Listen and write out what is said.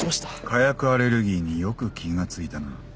火薬アレルギーによく気が付いたな。